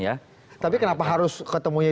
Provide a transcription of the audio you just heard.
ya tapi kenapa harus ketemunya